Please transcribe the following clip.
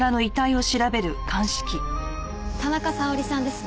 田中沙織さんですね？